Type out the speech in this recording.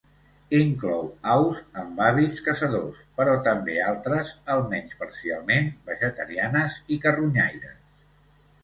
Inclou aus amb hàbits caçadors, però també altres, almenys parcialment, vegetarianes i carronyaires.